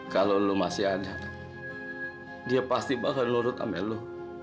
kalau lo masih ada dia pasti bakal lurut sama lo